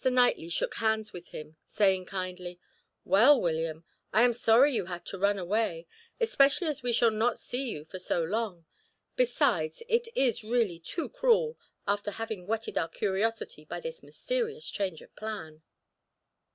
Knightley shook hands with him, saying kindly: "Well, William, I am sorry you had to run away, especially as we shall not see you for so long. Besides, it is really too cruel, after having whetted our curiosity by this mysterious change of plan."